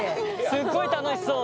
すっごい楽しそう！